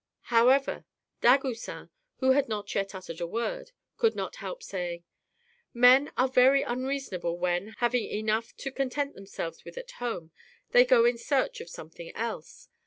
However, Dagoucin, who had not yet uttered a word, could not help saying " Men are very unreasonable when, having enough to content themselves with at home, they go in search of something else.